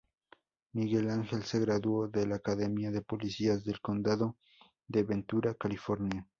Miguel Ángel se graduó de la Academia de Policías del condado de Ventura, California.